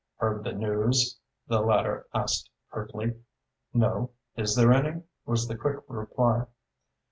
"Heard the news?" the latter asked curtly. "No. Is there any?" was the quick reply.